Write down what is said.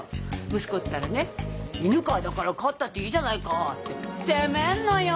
息子ったらね「犬飼だから飼ったっていいじゃないか」って責めるのよ。